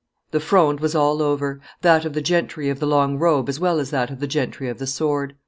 The Fronde was all over, that of the gentry of the long robe as well as that of the gentry of the sword.